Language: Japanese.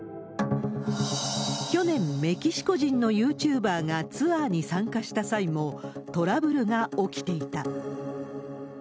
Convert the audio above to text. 去年、メキシコ人のユーチューバーがツアーに参加した際も、トラブルが起きていた。